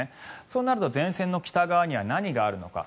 そうなると前線の北側には何があるのか。